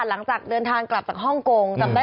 หลังจากเดินทางกลับจากฮ่องกงจำได้